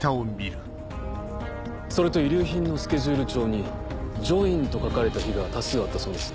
それと遺留品のスケジュール帳に「ジョイン！」と書かれた日が多数あったそうです。